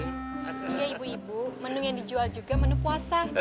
iya ibu ibu menu yang dijual juga menu puasa